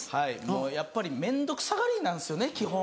もうやっぱり面倒くさがりなんですよね基本。